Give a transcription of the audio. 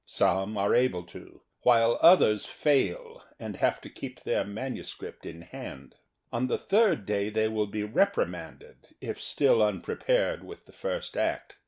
Some are ahle to, while others fail and have to keep their manuscript in hand. On the third day they will be repri manded if still unprepared with the first act.